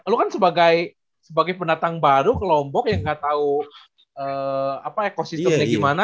lo kan sebagai penatang baru kelombok yang gak tau ekosistemnya gimana